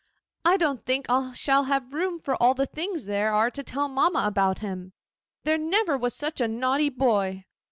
I don't think I shall have room for all the things there are to tell mamma about him. There never was such a naughty boy!